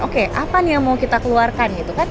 oke apa nih yang mau kita keluarkan